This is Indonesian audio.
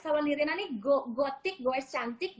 kalau lirina nih gotik goes cantik